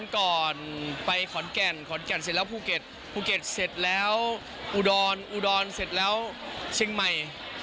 ก่อนไปขอนแก่นขอนแก่นเสร็จแล้วภูเก็ตภูเก็ตเสร็จแล้วอุดรอุดรเสร็จแล้วเชียงใหม่